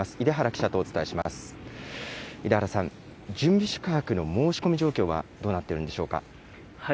出原さん、準備宿泊の申し込み状況はどうなっているんでしょうか。